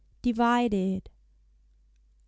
DIVIDED. I.